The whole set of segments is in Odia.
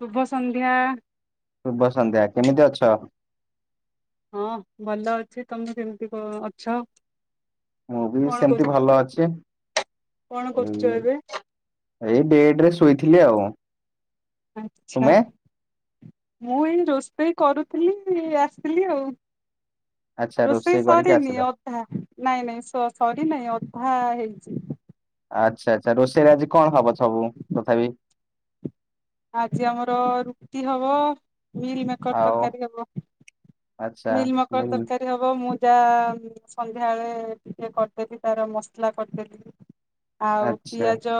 ଶୁଭ ସନ୍ଧ୍ୟା। ଶୁଭ ସନ୍ଧ୍ୟା କେମିତି ଅଛ? ହଁ ଭଲ ଅଛି। ତମେ କେମିତି କ ଅଛ? ମୁଁ ବି କଣ ସେମତି କରୁଛ ଭଲ ଅଛି। କଣ କରୁଛ ଏଇ ଏବେ ଏଇ ବେଡ୍ ରେ ଶୋଇଥିଲି ଆଉ। ଆଚ୍ଛା। ତୁମେ? ମୁଁ ଏଇ ରୋଷେଇ କରୁଥିଲି ଆସିଥିଲି ଆଉ। ଆଚ୍ଛା ରୋଷେଇ କରିକି ସରିନି ଆସିଲ। ଅଧା ନାଇଁ ନାଈଁ ସ ସରିନାଈଁ ଅ ଧା ହେଇଛି। ଆଚ୍ଛା ଆଚ୍ଛା ରୋଷେଇରେ ଆଜି କଣ ହବ ସବୁ ତଥାପି? ଆଜି ଆମର ରୁଟି ହବ ମିଲ୍ ମେକର ଆଉ ତରକାରୀ ହବ। ଆଚ୍ଛା ମିଲ୍ ମେକର ହୁଁ ତରକାରୀ ହବ ମୁଁ ଜା ସନ୍ଧ୍ୟାବେଳେ ଟିକେ କରିଦେବି ଗରମ ମସଲା କରିଦେବି। ଆଉ ଆଚ୍ଛା ପିଆଜ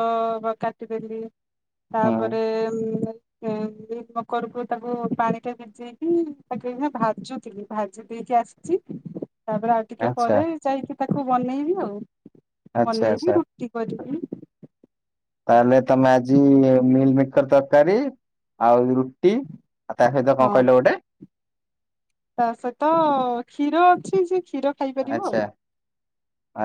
କାଟିଦେଲି ହୁଁ ତାପରେ ହୁଁ। ମିଲ ମୀକରକୁ ତାକୁ ପାଣିରେ ଭିଜେଇକି ତାକୁ ଏନା ଭାଜୁଥିଲି ଭାଜି ଦେଇକି ଆସିଛି। [inaudible] ତାପରେ ଆଉ ଟିକେ ଆଚ୍ଛା। ପରେ ଯାଇକି ତାକୁ ବନେଇବି ଆଉ। ଆଚ୍ଛା ଆଚ୍ଛା ବନେଇବି ରୁଟି କରିବି। ତାହେଲେ ତମେ ଆଜି ମିଲ୍ ମୀକର ତରକାରୀ ଆଉ ରୁ ଟି ଆଉ ତା ସହିତ ହଁ କଣ କହିଲ ଗୋଟେ? ତା ସହିତ କ୍ଷୀର ଅଛି ଯେ ଆଚ୍ଛା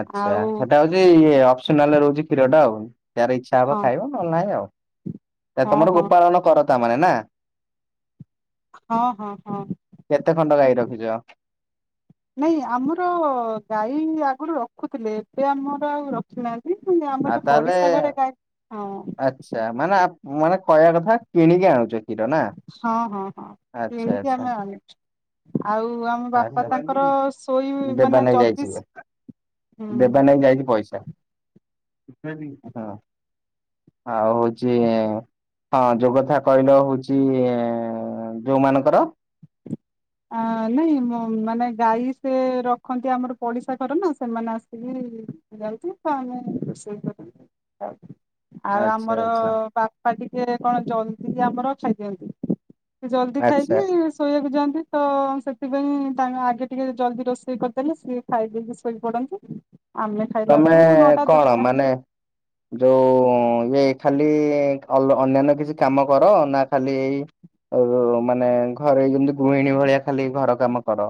ଆଚ୍ଛା ଆଉ ସେଟା ହେଉଛି ଇଏ ଅପସିନାଲ ରହୁଛି କ୍ଷୀର ଟା ଆଉ। ତାର ଇଚ୍ଛା ହବ ଆଉ ଖାଇବ ନହେଲେ ନାହିଁ ଆଉ ହଁ ତମର ହଁ ଗୋପାଳନ କର ତା ମାନେ ନା। [unintelligible] ହଁ ହଁ ହଁ କେତେ ଖଣ୍ଡ ଗାଈ ରଖିଛ? ନାଇଁ ଆମର ଆମର ଗାଈ ଆଗରୁ ରଖୁଥିଲେ ଏବେ ଆମର ଆଉ ରଖିନାହାନ୍ତି। ଆ ଆମର ତାହଲେ ପଡିଶା ଘରେ ଗାଈ ହଁ ଆଚ୍ଛା ମାନେ ଆ ମୁଁ ମାନେ କହିବା କଥା କିଣିକି ଆଣୁଛେ? କ୍ଷୀର ନା ହଁ ହଁ ହଁ ଆଛା କିଣିକି ଆମେ ଆଛା। ଆଣୁ ଆଉ ଆମ ବାପା ତାଙ୍କର ଶୋଇ [inaudible] ଦେବା ମାନେ ନେଇ ଜଲଦି ଯାଇଛି। ହୁଁ ଦେବା ନେଇ ଯାଇଛି ପଇସା। ହଁ। ଆଉ ହଉଛି ହଁ ଯୋଉ କଥା କହିଲ ହଉଛି ଯୋଉ ମାନଙ୍କର ଆ ନାଇଁ ମାନେ ଗାଈ ସେ ରଖନ୍ତି ଆମର ପଡିଶା ଘର ନା, ସେମାନେ ଆସିକି ହ ଯାଉଚି, ତାଙ୍କ ଲାଗି ରୋଷେଇ କରିବି। ହଉ। ଆଉ ଆଚ୍ଛା ଆମର ଆଚ୍ଛା ବାପା ଟିକେ କଣ ଜଲଦି ଆମର ଖାଇ ଦିଅନ୍ତି। ସେ ଜଲ୍ଦି ଖାଇକି ଆଚ୍ଛା ଶୋଇବାକୁ ଯାଆନ୍ତି। ତ ସେଥିପାଇଁ ତାଙ୍କ ଆଗେ ଟିକେ ଜଲ୍ଦି ରୋଷେଇ କରିଦେଲେ ସିଏ ଖାଇଦେଇକି ଶୋଇ ପଡନ୍ତି। ଆମେ ଖାଇଲା ତମେ ବେଳକୁ ନଅଟା କଣ ଦଶଟା ମାନେ ଯୋଉ ଇଏ ଖାଲି ଅଲ୍ ଅନ୍ୟାନ୍ୟ କିଛି କାମ କର ନା ଖାଲି ଏଇ ଆଉ ମାନେ ଘରେ ଯେମତି ଗୃହିଣୀ ଭଳିଆ ଖାଲି ଘର କାମ କର?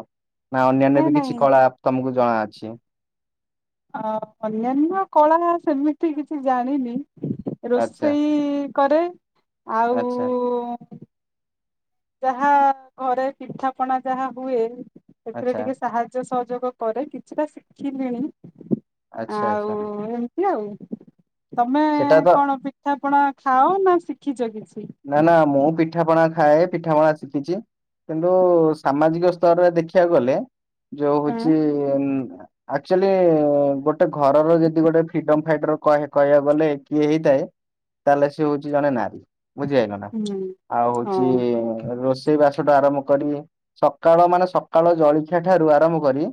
ନା ଅନ୍ୟାନ୍ୟ ନାଇଁ ବି କିଛି ନାଇଁ କଳା ତମକୁ ଜଣାଅଛି। ଆ ଅନ୍ୟାନ୍ୟ କଳା ସେମିତି କିଛି ଜାଣିନି। ଆଚ୍ଛା ରୋଷେଇ କରେ, ଆଉ ଆଚ୍ଛା ଉ ଉ ଯାହା ଘରେ ପିଠା ପଣା ଯାହା ହୁଏ, ସେଥିରେ ଆଚ୍ଛା। ଟିକେ ସାହାଯ୍ୟ ସହ ଯୋଗ କରେ। କିଛିଟା ଶିଖିଲିଣି ଆଚ୍ଛା ଆଉ ଆଚ୍ଛା ଏମତି ଆଉ। ତମେ ସେଟା ତ କଣ ପିଠାପଣା ଖାଅ ନା ଶିଖିଛ କି ନା ନା ମୁଁ ପିଠା ପଣା ଖାଏ ପିଠାପଣା ଶିଖିଛି କିନ୍ତୁ ସାମାଜିକ ସ୍ତରରେ ଦେଖିବାକୁ ଗଲେ ଯୋଉ ଆଁ ହଉଚି ଆକ୍ଚୁଆଲି ଗୋଟେ ଘରର ଯଦି ଗୋଟେ ଫ୍ରିଡମ ଫାଇଟର କହିବାକୁ ଗଲେ କିଏ ହେଇଥାଏ ତାହେଲେ ସେ ହଉଛି ଜଣେ ନାରୀ, ବୁଝିହେଇଗଲା ହୁଁ ଆଉ ହଁ ହଉଛି ରୋଷ ସେଇ ବାସ ଠୁ ଆରମ୍ଭ କରି, ସକାଳ ମାନେ ସକାଳ ଜଳଖିଆ ଠାରୁ ଆରମ୍ଭ କରି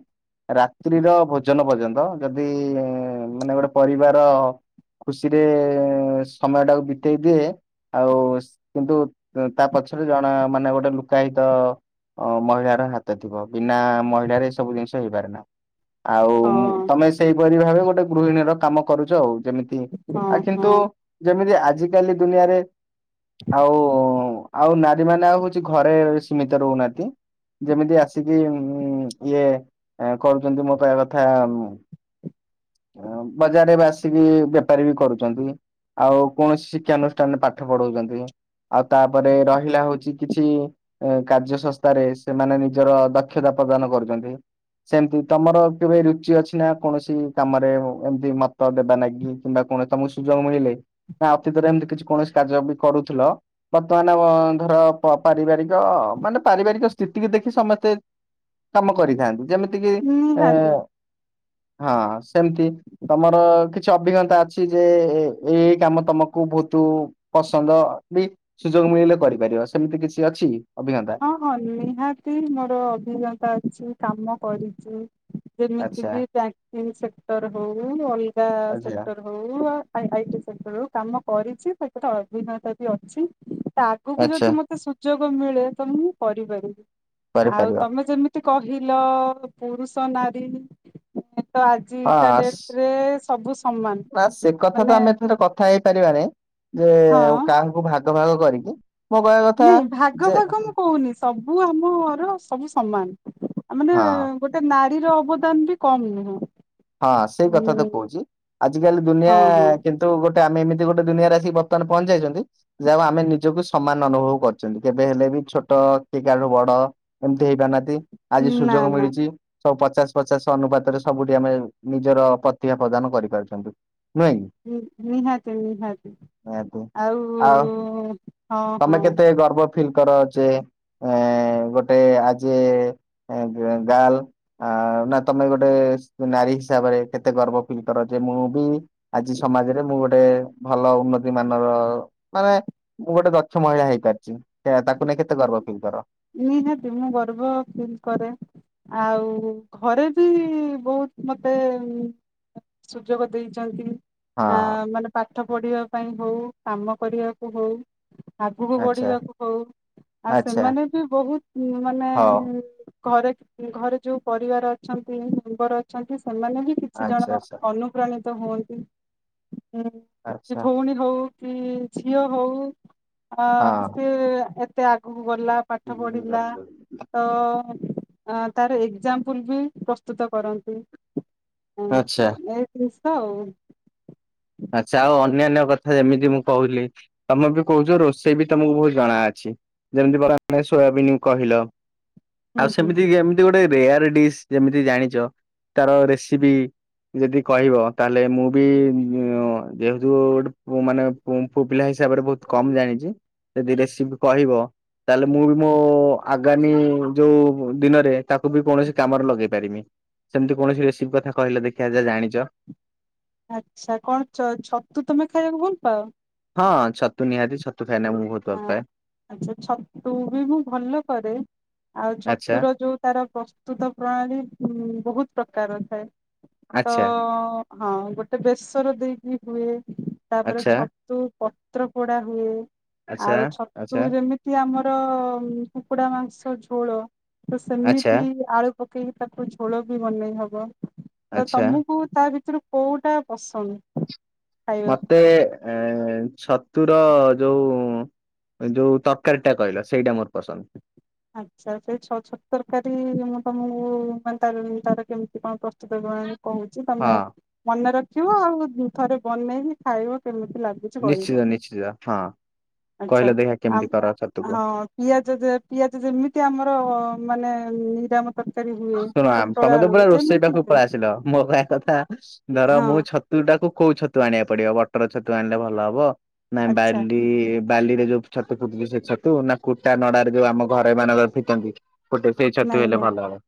ରାତ୍ରିର ଭୋଜନ ପର୍ଯ୍ୟନ୍ତ, ଯଦି ମାନେ ଗୋଟେ ପରିବାର ଖୁସିରେ ସମୟ ଟାକୁ ବିତେଇ ଦିଏ ଆଉ କିନ୍ତୁ ତା ପଛରେ ଜଣେ ମାନେ ଗୋଟେ ଲୁକାୟିତ ଅ ମହିଳାର ହାତ ଥିବ। ବିନା ମହିଳାରେ ଏ ସବୁ ଜିନିଷ ହେଇପାରେ ନା। ଆଉ ହଁ ତମେ ସେଇପରି ଭାବେ ଗୋଟେ ଗୃହିଣୀର କାମ କରୁଛ ଆଉ। ଯେମିତି, ହଁ ଆ କିନ୍ତୁ ହଁ ଯେମିତି ଆଜିିକାଲି ଦୁନିଆରେ ଆଉ, ଆଉ ନାରୀ ମାନେ ଆଉ ହଉଛି ଘରେ ସୀମିତ ରହୁନାହାନ୍ତି। ଯେମିତି ଆସିକି ଇଏ କରୁଛନ୍ତି ମୋ କହିବା କଥା ଏ ବଜାରରେ ଏବେ ଆସିକି ବେପାରୀ ବି କରୁଛନ୍ତି। ଆଉ କୌଣସି ଶିକ୍ଷାନୁଷ୍ଠାନରେ ପାଠ ପଢଉଛନ୍ତି। ଆଉ ତାପରେ ରହିଲା ହଉଛି କିଛି କାର୍ଯ୍ୟ ସଂସ୍ଥାରେ ସେମାନେ ନିଜର ଦକ୍ଷତା ପ୍ରଦାନ କରୁଛନ୍ତି। ସେମିତି ତମର କେବେ ରୁଚି ଅଛି ନା କୌଣସି କାମରେ ଏମତି ମତ ଦେବା ନାଗି କିମ୍ବା କଣ ତମକୁ ସୁଯୋଗ ମିଳିଲେ ନା ଅତୀତରେ ଏମିତି କିଛି କୌଣସି କାର୍ଯ୍ୟ ବି କରୁଥିଲ ବର୍ତ୍ତମାନ ଆ ଧର ପ ପାରିବାରିକ, ମାନେ ପାରିବାରିକ ସ୍ଥିତିକୁ ଦେଖି ସମସ୍ତେ କାମ କରିଥାନ୍ତି। ଯେମିତି କିି, ଏ ନିହାତି ହଁ ସେମିତି ତମର କି ଚି ଅଭିଜ୍ଞତା ଅଛି ଯେ, ଏଇ ଏଇ କାମ ତମକୁ ବହୁତ ପସନ୍ଦ ବି ସୁଯୋଗ ମିଳିଲେ କରିପାରିବ, ସେମିତି କିଛି ଅଛି କି? ହଁ ହଁ ନିହାତି ମୋର ଅଭିଜ୍ଞତା ଅଛି, କାମ କରିଛି। ଆଚ୍ଛା ଯେମିତିକ ବ୍ୟାଙ୍କିଙ୍ଗ ସେକ୍ଟର ହଉ, ଅଲଗା ଆଚ୍ଛା ସେକ୍ଟର ହଉ, ଆ ଆଇଟି ସେକ୍ଟର ରୁ କାମ କରିଛି, ସେଥିରେ ଅଭିଜ୍ଞତା ବି ଅଛି। ଆଗକୁ ଆଚ୍ଛା ଯଦି ମତେ ସୁଯୋଗ ମିଳେ, ତ ମୁଁ କରିପାରିବି। ଆଉ କରିପାରିବ ତମେ ଯେମିତି କହିଲ, ପୁରୁଷ ନାରୀ ତ ହଁ ଆଜିକା ଡେଟରେ ସବୁ ସମାନ ସ ନା ସେ କଥା ତ ମାନେ ଆମେ ଏଥେରେ କଥା ହେଇପାରିବାନି ଯେ ଆ ହଁ କାହାଙ୍କୁ ଭାଗ ଭାଗ କରିକି। ମୋ କହିବା କଥା ନାଇଁ ଭାଗ ଯେ ଭାଗ ମୁଁ କହୁନି, ସବୁ ଆମର ସବୁ ସମାନ ଆ ମାନେ ହଁ ଗୋଟେ ନାରୀର ଅବଦାନ ବି କମ ନୁହେଁ। ହଁ ସେଇ କଥା ତ କହୁଛି, ଆଜିକାଲି ଦୁନିଆ ହଁ ହଁ କିନ୍ତୁ ଗୋଟେ ଆମେ ଏମିତି ଗୋଟେ ଦୁନିଆରେ ଆସିକି ବର୍ତ୍ତମାନ ପହଞ୍ଚାଇଛନ୍ତି। ଯାହା ଆମେ ନିଜକୁ ସମାନ ଅନୁଭବ କରୁଛନ୍ତି, କେବେ ହେଲେ ବି ଛୋଟ ଅଁ କିଏ କାହାଠୁ ବଡ ଏମିତି ହେଇ ପାରୁନାହାନ୍ତି। ଆଜି ନା ସୁଯୋଗ ନା ମିଳୁଛି, ସବୁ ପଚାଶ ପଚାଶ ଅନୁପାତରେ ସବୁଠି ଆମେ ନିଜର ପ୍ରତିଭା ପ୍ରଦାନ କରିପାରୁଛନ୍ତି। ନୁହେଁ କି ହୁଁ, ନିହାତି ନିହାତି। ନିହାତି ଆଉ ହଁ ତମେ ହଁ କେତେ ଗର୍ବ ଫିଲ୍ କର ଯେ ଏ ଗୋଟେ ଆଜି ଗାର୍ଲ ନା ତମେ ଗୋଟେ ନାରୀ ହିସାବରେ କେତେ ଗର୍ବ ଫିଲ୍ କର, ଯେ ମୁଁ ବି ଆଜି ସମାଜରେ ମୁଁ ଗୋଟେ ଭଲ ଉନ୍ନତି ମାନର ମାନେ ମୁଁ ଗୋଟେ ଦକ୍ଷ ମହିଳା ହେଇପାରିଛି, ସେ ତାକୁ ନେଇ କେତେ ଗର୍ବ ଫିଲ୍ କର? ନିହାତି ମୁଁ ଗର୍ବ ଫିଲ୍ କରେ, ଆଉ ଘରେ ବି ବହୁତ ମତେ ସୁଯୋଗ ଦେଇଛନ୍ତି। ହଁ ଆ ମାନେ ପାଠ ପଢିବା ପାଇଁ ହଉ, କାମ କରିବାକୁ ହଉ ଆଗକୁ ଆଚ୍ଛା ବଢିବାକୁ ହଉ, ଆଉ ଆଚ୍ଛା ସେମାନେ ବି ବହୁତ ମାନେ ହଉ ଘରେ ଘରେ ଯୋଉ ପରିବାର ଅଛନ୍ତି, ମେମ୍ବର ଅଛନ୍ତି ସେମାନେ ବି କିଛି ଆଚ୍ଛା ଜଣ ଆଚ୍ଛା ଅନୁପ୍ରାଣିତ ହୁଅନ୍ତି। ହଁ କି ଆଚ୍ଛା ଭଉଣୀ ହଉ କି ଝିଅ ହଉ। ହଁ ସି ଏତେ ଆଗକୁ ଗଲା ପାଠ ପଢ଼ିଲା ତ ଅ ତାର ଏକ୍ଜାମ୍ପଲ ବି ପ୍ରସ୍ତୁତ କରନ୍ତି। ଆଚ୍ଛା ହଉ। ଆଛା ଆଉ ଅନ୍ୟାନ୍ୟ କଥା ଯେମିତି ମୁଁ କହୁିଲି ତମେ ବି କହୁଛ ରୋଷେଇ ବି ତମକୁ ବହୁତ ଜଣା ଅଛି। ଯେମିତି ପରେ ଆମେ ସୋୟାବିନ୍ କହିଲ ଆଉ ହୁଁ ହୁଁ ସେମିତି ଏମିତି ଗୋଟେ ରେୟାର ଡିସ୍ ଯେମିତି ଜାଣିଛ ତାର ରେସିପି ଯଦି କହିବ ତାହେଲେ ମୁଁ ବି ଯେହେତୁ ଗୋଟେ ମାନେ ପୁଅ ପିଲା ହିସାବରେ ବହୁତ କମ ଜାଣିଛି। ଯଦି ରେସିପି କହିବ ତାହେଲେ ମୁଁ ବି ମୋ ଆଗାମୀ ଯୋଉ ଦିନରେ ତାକୁ ତାକୁ ବି କୌଣସି କାମରେ ଲଗେଇ ପାରିନି ସେମିତି କୌଣସି ରେସିଭ କଥା କହିଲ ଦେଖିଆ ଯା ଜାଣିଚ। ଆଚ୍ଛା କଣଛ ଛତୁ ତମେ ଖାଇବାକୁ ଭୁଲ ପାଅ? ହଁ ଛତୁ ନିହାତି ଛତୁ ଖାଇନା ବହୁତ ହଁ ଭଲପାଏ। ଆଚ୍ଛା ଛତୁ ବି ମୁଁ ଭଲ କରେ ଆଉ ଆଚ୍ଛା, ଛତୁର ଯୋଉ ତାର ପ୍ରସ୍ତୁତ ପ୍ରଣାଳୀ ବହୁତ ପ୍ରକାରର ଥାଏ। ତ ଆଚ୍ଛା, ହଁ ଗୋଟେ ବେସର ଦେଇକି ହୁଏ। ତାପରେ ଆଚ୍ଛା, ଛତୁ ପତ୍ରପୋଡା ହୁଏ। ଆଚ୍ଛା, ଆଉ ଛତୁ ଆଚ୍ଛା, ଯେମିତି ଆମର କୁକୁଡ଼ା ମାଂସ ଝୋଳ ତ ଆଚ୍ଛା, ସେମିତି ଆଳୁ ପକେଇକି ତାକୁ ଝୋଳ ବି ବନେଇ ହବ। ତ ଆଚ୍ଛା। ତମକୁ ତା ଭିତରୁ କୋଉଟା ପସନ୍ଦ? ଖାଇବା ମତେ ଆ ଛତୁର ଯୋଉ ଯୋଉ ତରକାରୀଟା କହିଲ ସେଇଟା ମୋର ପସନ୍ଦ। ଆଚ୍ଛା ସେଇ ଛଅ ଛତୁ ତରକାରୀଁ ତମକୁ ମାନେ ତାର କେମିତି କଣ ପ୍ରସ୍ତୁତ ପ୍ରଣାଳୀ କହୁଛି ତମେ ହଁ ମନେ ରଖିବ ଆଉ ଥରେ ବନେଇକି ଖାଇବ। କେମିତି ଲାଗୁଛି ଗହିବ ନିଶ୍ଚିତ ନିଶ୍ଚିତ ହଁ କହିଲ ଆଛା ଦେଖିଆ ଆ କେମିତି କର ଛତୁକୁ? ହଁ ପିଆଜ ପିଆଜ ଯେମିତି ଆମର ମାନେ ନିରାମ ତରକାରୀ ହୁଏ ଶୁଣ ପୋଟଳ ତମେ ତ ଆଳୁ ପୁରା ରୋଷେଇ ଯେମିତି ପାଖକୁ ହୁଏ ପଳେଇ ଆସିଲ ମୋ କହିଆ କଥା ଧର ହଁ ମୁଁ ଛତୁଟାକୁ କୋଉ ଛତୁ ଆଣିବାକୁ ପଡିବ ବଟର ଛତୁ ଆଣିଲେ ଭଲ ହବ? ନାଇଁ ଆଚ୍ଛା ବାଲି। ବାଲିରେ ଯୋଉ ଛତୁ ଫୁଟୁଛି ସେ ଛତୁ ନା କୁଟା ନଡାରେ ଯୋଉ ଆମ ଘର ଏ ମାନଙ୍କର ଫୁଟନ୍ତି। କୋଟେ ସେଇ ଛତୁ ନାଇଁ ହେଲେ ନାଇଁ ଭଲ ହବ।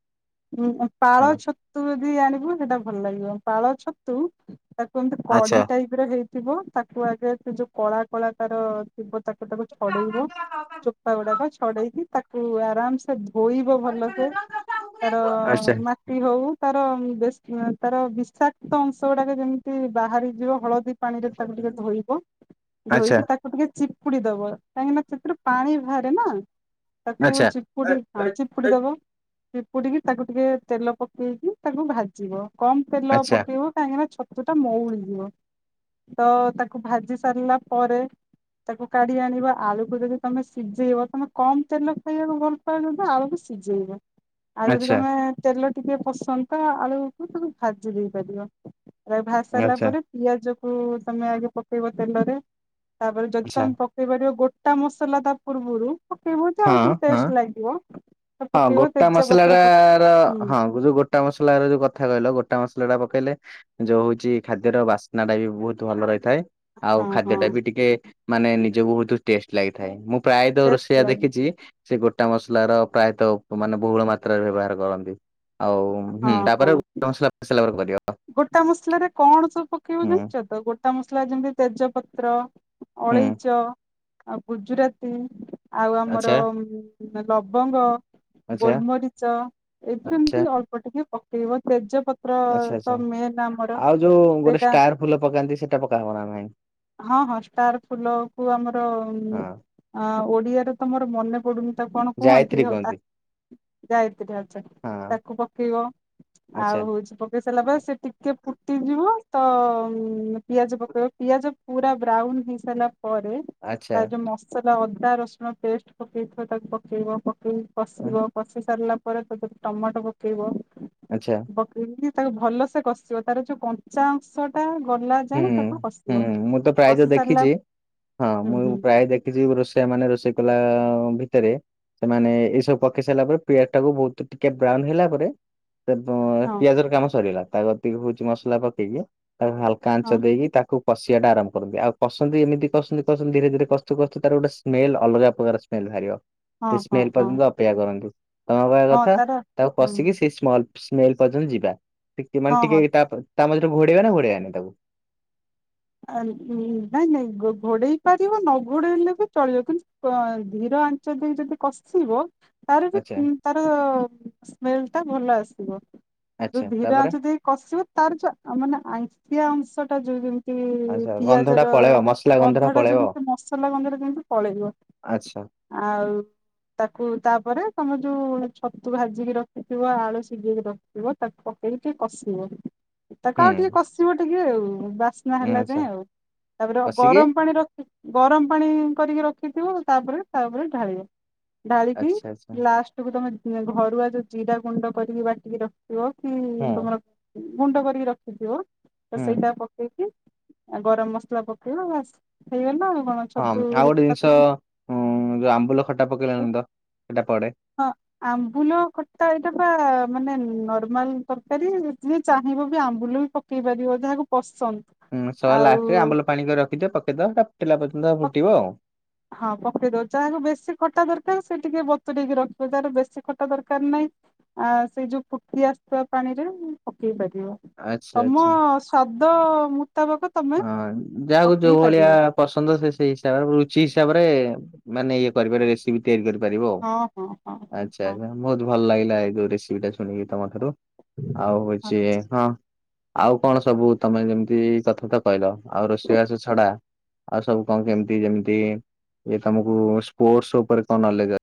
ଉଁ ପାଳ ହଁ ଛତୁ ଯଦି ଆଣିବ ସେଇଟା ଭଲ ଲାଗିବ ପାଳ ଛତୁ। ତାକୁ ଏମତି ଆଚ୍ଛା। କଢି ଟାଇପର ହେଇଥିବ ତାକୁ ଆଗେ ସେ ଯୋଉ କଳା କଳା ତାର ଥିବ। ତାକୁ ତାକୁ ଛଡେଇବ ଚୋପା ଗୁଡାକ ଛଡେଇକି ତାକୁ ଆରାମ ସେ ଧୋଇ ଭଲସେ ତାର ଆଚ୍ଛା ମାଟି ହଉ ତାର ତାର ବିଷାକ୍ତ ଅଂଶ ଗୁଡାକ ଯେମିତି ବାହାରିଯିବ ହଳଦୀ ହଳଦୀ ପାଣିରେ ତାକୁ ଟିକେ ଧୋଇବ। ଆଚ୍ଛା ଧୋଇକି ତାକୁ ଟିକେ ଚିପି ଚିପୁଡି ଦବ କାହିଁକିନା ସେଥିରୁ ପାଣି ବାହାରେ ନା ତାକୁ ଆଚ୍ଛା ଚିପୁଡି ହଁ। ଚି ପୁଡି ଦବ ଚି ପୁଡିକି ତାକୁ ଟିକେ ତେଲ ପକେଇକି ତାକୁ ଭାଜିବ। କମ ତେଲ ଆଚ୍ଛା ପକେଇବ କାହିଁକିନା ଛତୁଟା ମଉଳିଯିବ। ତ ତାକୁ ଭାଜି ସାରିଲା ପରେ। ତାକୁ କାଢି ଆଣିବା ଆଳୁକୁ ଯଦି ତମେ ସିଝେଇବ ତମେ କମ ତେଲ ଖାଇବାକୁ ଭଲ ପାଅ। ଆଳୁକୁ ସିଝେଇିବ ଆଉ ଯଦି ଆଚ୍ଛା ତମେ ତେଲ ଟିକେ ପସନ୍ଦ ତ ଆଳୁକୁ ତାକୁ ଭାଜି ଦେଇ ପାରିବ ଭାଜି ସାରିଲା ଆଚ୍ଛା ପରେ ପିଆଜ। କୁ ତମେ ଆଗେ ପକେଇବ ତେଲରେ ତାପରେ ଯଦି ଆଚ୍ଛା ତମେ ପକେଇ ପାରିବ ଗୋଟେ। ଖଟା ମସଲା ତା ପୂର୍ବରୁ ପକେଇବ ଯେ ଆଉ ହଁ ଟିକେ ହଁ ଟେଷ୍ଟ ଲାଗିବ। ତ ହଁ ପକେଇବ ଗୋଟା ମସଲା ତେଜପତ୍ର ଟା ପକ ର ହୁଁ ହଁ ଯୋଉ ଗୋଟା ମସଲାାର ଯୋଉ କଥା କହିଲ ଗୋଟା ମସଲା। ଲଟା ପକେଇଲେ, ଯୋଉ ହଉଛି ଖାଦ୍ୟର ବାସ୍ନା ଟା ବି ବହୁତ ଭଲ ରହି ଥାଏ। ଆଉ ହଁ ଖାଦ୍ୟ ହଁ ଟା ବି ଟିକେ ମାନେ ନିଜକୁ ବହୁତ ଟେଷ୍ଟ ଲାଗିଥାଏ। ମୁଁ ପ୍ରାୟତଃ ଟେଷ୍ଟ ରୋଷେଇଆ ଦେଖ୍ ଲାଗେ ଇଏ ସେ ଗୋଟା ମସଲାର ପ୍ରାୟତଃ ମାନେ ବହୁଳ ମାତ୍ରାରେ ବ୍ୟବହାର କରନ୍ତି। ଆଉ ହଁ ହୁଁ ହଁ। ତାପରେ ମସଲା [inaudible] ଫସଲା ପରେ କରିବ। ଗୋଟା ମସଲାରେ କଣ ସବୁ ପକେଇବ ହୁଁ ଜାଣିଛ ତ ଗୋଟା ମସଲା? ତୁଆ ଯେମିତି ତେଜପତ୍ର, ହୁଁ ଅଳେଇଚ ଆଉ ଗୁଜୁରାତି। ଆଉ ଆଚ୍ଛା ଆମର-ଅ ଉମ୍ ଲବଙ୍ଗ, ଆଚ୍ଛା ଗୋଲମରିଚ ଏଇଥିରୁ ଆଚ୍ଛା ଏମତି ଅଳ୍ପ ଟିକେ ପକେଇବ। ତେଜପତ୍ ଆଚ୍ଛା ଆଚ୍ଛା, ଆଉ ଯୋଉ ଗୋଟେ ସେଇଟା ଷ୍ଟାର ଫୁଲ ପକାନ୍ତି ସେଟା ପକା ହବ ନା ନାଇଁ? ହଁ ହଁ ଷ୍ଟାର ଫୁଲ କୁ ଆମର ଉମ୍ ହଁ ଓଡିଆର ତମର ମନେ ପଡୁନି ତାକୁ କଣ କୁହନ୍ତି? ହଉ ତା ଗାୟତ୍ରୀ ଆଚା ହଁ ତାକୁପ [unintelligible] ଆଉ ଆଚ୍ଛା ହଉଛି ପକେଇ ସାରିଲା ପରେ ସେ ଟିକେ ଫୁଟିଯିବ, ହ ତ ପିଆଜ ପକେଇବ, ପିଆଜ ପୁରା ବ୍ରାଉନ ହେଇସାଇଲା ତ ପରେ ଆଚ୍ଛା ତା ଯୋଉ ମସଲା ଅଦା ରସୁଣ ପେଷ୍ଟ ପକେଇଥିବ ତାକୁ ପକେଇବ। ପ ହଁ କଷିବ, କଷି ସାରିଲା ପରେ ତ ଟମାଟୋ ପକେଇବ ଆଚ୍ଛା ପକେଇକି ତାକୁ ଭଲ ସେ କଷିବ ତାର ଯୋଉ କଞ୍ଚା ଅଂଶ ଟା ଗଲା ହୁଁ ଯାଏ ତାକୁ ହୁଁ, କଷିବ ମୁଁ ତ ପ୍ରାୟତଃ କଷି ସାରିଲା ଦେଖିଛି ହଁ, ହୁଁ ମୁଁ ହୁଁ ପ୍ରାୟ ଦେଖିଛି, ରୋଷେଇଆ ମାନେ ରୋଷେଇ କଲା ଭି ତରେ ସେମାନେ ଏ ସବୁ ପକେଇ ସାଇଲା ପରେ ପିଆଜ ଟାକୁ ବହୁତ ଟିକେ ବ୍ରାଉନ ହେଲା ପରେ ସେ ପଁ ହଁ ପିଆଜର କାମ ସରିଗଲା। ତା କତିକିହଉଛି ରୁଚି ମସଲା ପକେଇକି ତାକୁ ହାଲ ହଁ କାଞ୍ଚ ଦେଇକି ତାକୁ କଷିବାଟା ଆରମ୍ଭ କରନ୍ତି। ଆଉ କଷନ୍ତି, ଏମିତି କଷନ୍ତି, କଷନ୍ତି ଧୀରେ ଧୀରେ କଷୁଥିବ, କଷୁଥିବ, କଷଥିବ ତାର ଗୋଟେ ସ୍ମେଲ ଅଲଗା ପ୍ରକାର ସ୍ମେଲ ବାହାରିବ। ହଁ ସେ ହଁ ସ୍ମେଲ ହଁ ପର୍ଯ୍ୟନ୍ତ ଅପେକ୍ଷା କରନ୍ତୁ, ତମ କହିବା ହଁ କଥା ତାର ତାକୁ ହୁଁ କସିକି ସେଇ ସ୍ମଲ ସ୍ମେଲ ପର୍ଯ୍ୟନ୍ତ ଯିବା। ଟିକେ ମାନେ ହଁ ଟିକେ ହଁ ତା ତା ମଝିରେ ଘୋଡେଇବା ନା ଘୋଡେଇବାନି ତାକୁ? ଆ ନାଇଁ ନାଇଁ ଘୋ-ଘୋଡେଇ ପାରିବ ନ ଘୋଡେଇଲେ ବି ଚଳିବ। କିନ୍ତୁ ଅଁ ଧୀର ଆଞ୍ଚ ଦେଇ ଯଦି କଷିବ! ତାର ବି ଆଚ୍ଛା ଇମ୍ ତାର ସ୍ମେଲ ଟା ଭଲ ଆସିବ। ଯୋଉ ଆଚ୍ଛା ଧୀର ତାପରେ ଆଞ୍ଚ ଦେଇ କଷିବ, ତାର ଯୋଉ ମାନେ ଆଇଁଷିଆ ଅଂଶ ଟା ଯୋଉ ଯେମି କି ଆଚ୍ଛା ଗନ୍ଧ ପିଆଜ ଟା ର ପଳେଇବ ମସଲା ଗନ୍ଧ ଟା ପଳେଇବ ଯେମତି ମସଲା ଗନ୍ଧ ଟା ଯେମିତି ପଳେଇବ। ଆଚ୍ଛା ଆଉ ତାକୁ ତାପରେ ତମ ଯୋଉ ଛତୁ ଭାଜିକି ରଖିଥିବ, ଆଳୁ ସିଝେଇକି ରଖିଥିବ, ତାକୁ ପକେଇକି କଷିବ। ତାକୁ ଆଉ ଟିକେ ହୁଁ କଷିବ। ଟିକେ ଆଉ ବା ନହେଲା ଆଚ୍ଛା ଯାଏଁ ଆଉ ତାପରେ କଷିକି ଗରମ ପାଣି ରଖି, ଗରମ ପାଣି କରିକି ରଖ୍ ରଖିଥିବ। ତାପରେ ତାପରେ, ଢାଳିବ। ଢାଳିକି ଆଚ୍ଛା ଆଚ୍ଛା ଲାଷ୍ଟକୁୁ ତମେ ଘରୁଆ ଯ ଜିରା ଗୁଣ୍ଡ କରିକି ବାଟିକି ରଖିଥିବ, କି ହୁଁ ତମର ଗୁଣ୍ଡ କରିକି ରଖିଥିବ ତ ହୁଁ ସେଇଟା ପକେଇକି ଆଉ ଗରମ ମସଲା ପକେଇବ। ବାସ୍ ହେଇଗଲା ଆଉ। କଣ ହଁ, ଛତୁ ଆଉ ଗୋଟେ ଜିନିଷ ହେଇଗଲା ଉଁ ଯୋଉ ଆମ୍ବୁଲ ଖଟା ପକେଇଲନି ତ? ହଁ ଆମ୍ବୁଲ ଖଟା ଏଇଟା ପା ମାନେ ନର୍ମାଲ ତରକାରୀ ଯିଏ ଚାହିଁବ, ବି ଆମ୍ବୁଲ ବି ପକେଇ ପାରିବ। ଯାହାକୁ ପସନ୍ଦ ହୁଁ ସବା ଲାଷ୍ଟରେ ଆମ୍ବଲ ପାଣି କରି ରଖିଥିବ। ପକେଇଦବ ହେଟା ପକେ ହଁ, ପକେଇ ଦବ ଯାହାକୁ ବେଶୀ ଖଟା ଦରକାର ସେ ଟିକେ ବତୁରେଇକି ରଖିବ ଯାର ବେଶୀ ଖଟା ଦରକାର ନାହିଁ ଆ ସେଇ ଯୋଉ ଫୁଟି ଆସୁଥିବା ପାଣି ରେ ପକେଇ ପାରିବ। ଆଚ୍ଛା ତମ ଆଚ୍ଛା। ସ୍ଵାଦ ମୁଁ ହଁ ଯାହାକୁ ଯୋଉ ଭଳିଆ ପାରିବ ପସନ୍ଦ। ସେ ସେଇ ହିସାବରେ ରୁଚି ହିସାବରେ ମାନେ ଇଏ କରପାର, ରେସିପି ତିଆରି କରିପା ପାରିବ ଆଉ। ହଁ ହଁ ହଁ ହଁ ଆଛା ହଁ ଆ ବହୁତ ଭଲ ଲାଗିଲା [unintelligible] ଯୋଉ ରେସିିପିଟା ଶୁଣିକି ତମ ଠାରୁ ଆଉ ହଁ। ହଉଛି, ହଁ ଆଉ କଣ ସବୁ ତମେ ଯେମିତି କଥା ତ କହିଲ ଆଉ ରୋଷେଇ ବାସ ଛଡା ଆଉ ସବୁ କଣ କେମିତି ଯେମିତି ଇ, ତମକୁ ସ୍ପୋର୍ଟସ ଉପରେ କଣ ନଲେଜ ଅ